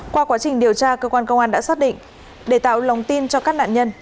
qua quá trình điều tra cơ quan công an đã xác định để tạo lòng tin cho các nạn nhân